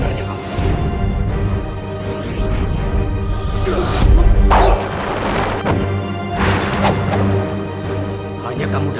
akan kubunuh diri terhadap muridmu